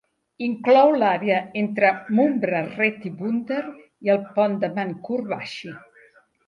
Inclou l'àrea entre Mumbra Retibunder i el pont de Mankhurd-Vashi.